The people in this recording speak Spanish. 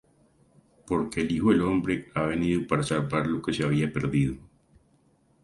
Porque el Hijo del hombre ha venido para salvar lo que se había perdido.